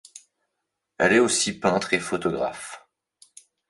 Elle est aussi peintre et photographe.